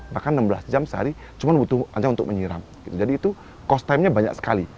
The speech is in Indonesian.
bahkan enam belas jam sehari cuma butuh aja untuk menyiram jadi itu kos timenya banyak sekali